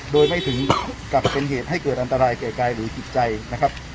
โดยไม่ถึงกับเป็นเหตุให้เกิดอันตรายแก่กายหรือจิตใจนะครับ